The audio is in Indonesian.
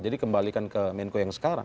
jadi kembalikan ke menko yang sekarang